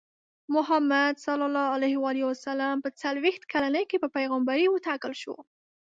محمد ص په څلوېښت کلنۍ کې په پیغمبرۍ وټاکل شو.